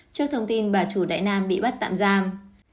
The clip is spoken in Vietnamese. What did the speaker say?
trước thông tin bà chủ đại nam bị bắt tạm giam